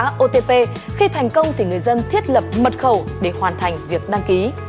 trường hợp otp khi thành công thì người dân thiết lập mật khẩu để hoàn thành việc đăng ký